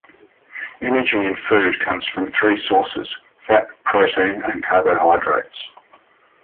Energy in food comes from three sources: fat, protein, and carbohydrates.